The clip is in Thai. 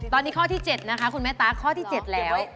ตอนนี้ข้อที่๗นะคะคุณแม่ตั๊กข้อที่๗แล้ว